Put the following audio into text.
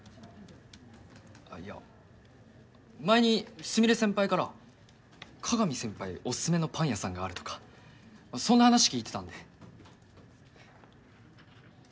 あっいや前に菫先輩から鏡先輩おすすめのパン屋さんがあるとかそんな話聞いてたんで。